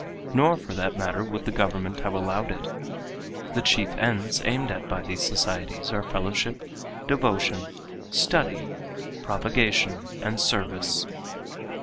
Nor for that matter would the government have allowed it. The chief ends aimed at by these societies are fellowship, devotion, study, propagation, and service.